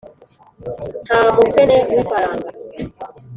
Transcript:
Nta mufene w’ifaranga